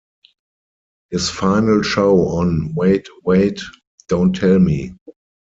His final show on Wait Wait... Don't Tell Me!